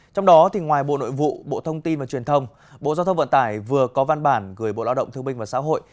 trong đó ngoài bộ nội vụ bộ thông tin và truyền thông bộ giao thông vận tải vừa có văn bản gửi bộ lao động thương minh và xã hội